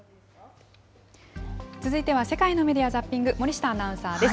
続いては世界のメディア・ザッピング、森下アナウンサーです。